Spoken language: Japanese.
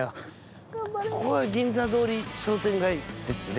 ここが銀座通り商店街ですね。